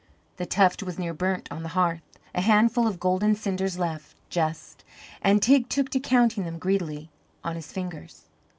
The tuft was near burnt on the hearth a handful of golden cinders left, just; and Teig took to counting them greedily on his fingers.